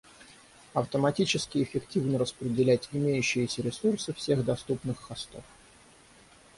Автоматически эффективно распределять имеющиеся ресурсы всех доступных хостов